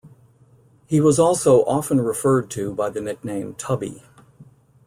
He was also often referred to by the nickname "Tubby".